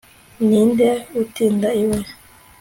Ni nde utinda iwe